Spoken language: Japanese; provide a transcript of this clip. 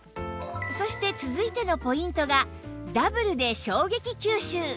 そして続いてのポイントがダブルで衝撃吸収